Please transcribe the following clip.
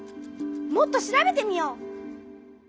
もっと調べてみよう！